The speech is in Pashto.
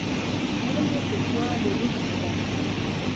خوله یې په سوال روږده ده.